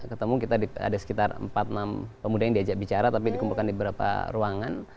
ketemu kita ada sekitar empat puluh enam pemuda yang diajak bicara tapi dikumpulkan di beberapa ruangan